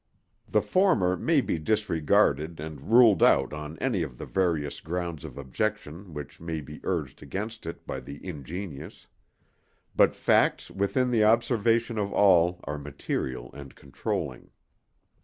The former may be disregarded and ruled out on any of the various grounds of objection which may be urged against it by the ingenious; but facts within the observation of all are material and controlling.